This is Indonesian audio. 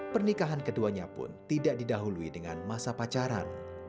pernikahan keduanya pun tidak didahului dengan masa pacaran